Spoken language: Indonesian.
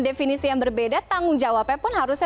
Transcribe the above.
definisi yang berbeda tanggung jawabnya pun harusnya